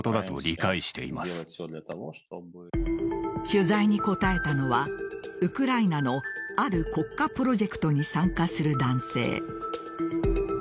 取材に答えたのはウクライナのある国家プロジェクトに参加する男性。